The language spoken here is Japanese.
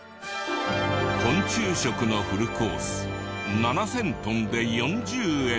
昆虫食のフルコース７０００とんで４０円。